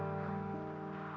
mama pergi ke rumah raka